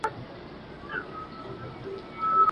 د څراغ تتي رڼا ته وه لیدلې ..